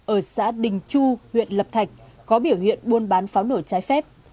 ở xã đình chu huyện lập thạch có biểu hiện buôn bán pháo nổ trái phép